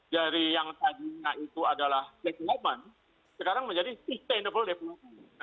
dari yang tadinya itu adalah development sekarang menjadi sustainable development